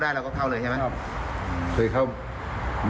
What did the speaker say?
ไปมาดูบ้านนี้ก่อนไหม